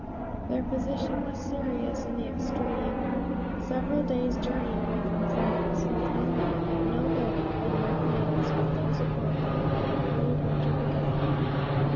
Their position was serious in the extreme several days' journey away from friends, with no money, no bedding, and no clothes but those upon them, and the cold winter begun.